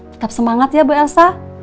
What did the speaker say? tetap semangat ya bu elsa